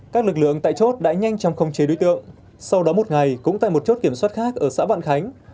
các lực lượng tại chốt đã nhanh chóng khống chế đối tượng sau đó một ngày cũng tại một chốt kiểm soát khác ở xã vạn khánh